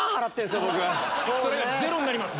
それがゼロになります。